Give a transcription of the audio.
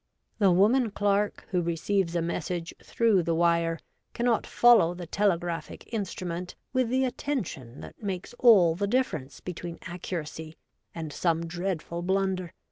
The woman clerk who receives a message through the wire cannot follow the telegraphic in strument with the attention that makes all the difference between accuracy and some dreadful blunder.